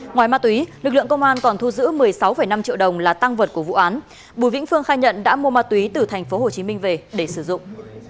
ngoài ma túy lực lượng công an còn thu giữ một mươi sáu năm triệu đồng là tăng vật của vụ án bùi vĩnh phương khai nhận đã mua ma túy từ tp hcm về để sử dụng